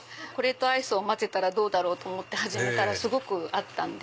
アイスを混ぜたらどうだろう？と始めたらすごく合ったんで。